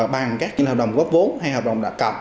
bằng các hợp đồng góp vốn hay hợp đồng đã cập